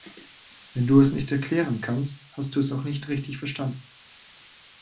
Wenn du es nicht erklären kannst, hast du es auch nicht richtig verstanden.